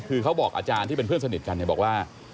คือเขาบอกอาจารย์ที่เป็นเพื่อนสนิทกันเนี่ยบอกว่า